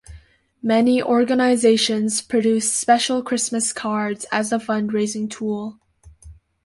Many organizations produce special Christmas cards as a fundraising tool.